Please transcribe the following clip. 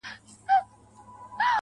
یوه کیسه نه لرم، ګراني د هیچا زوی نه یم,